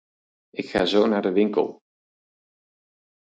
Ik ga zo naar de winkel.